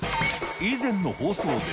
以前の放送で。